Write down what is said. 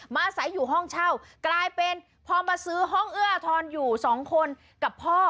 อาศัยอยู่ห้องเช่ากลายเป็นพอมาซื้อห้องเอื้ออทรอยู่สองคนกับพ่อ